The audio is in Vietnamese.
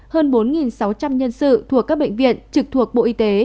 hơn bốn sáu trăm linh nhân sự thuộc các bệnh viện trực thuộc bộ y tế